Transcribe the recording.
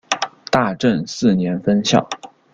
大正四年分校。